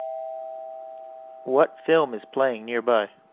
What film is playing nearby